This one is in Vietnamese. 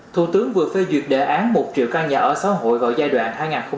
thủ tướng vừa phê duyệt đề án một triệu căn nhà ở xã hội vào giai đoạn hai nghìn hai mươi một hai nghìn ba mươi